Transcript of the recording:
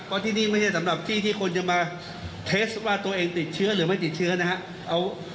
เพราะที่นี่ไม่ใช่สำหรับที่ที่คนจะมาเทสว่าตัวเองติดเชื้อหรือไม่ติดเชื้อนะครับ